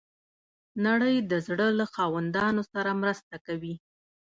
نړۍ د زړه له خاوندانو سره مرسته کوي.